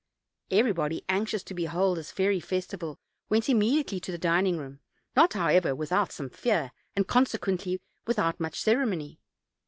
Everybody, anxious to behold this fairy festival, went immediately to the dining room, not, however, without some fear, and, consequently, without much ceremony.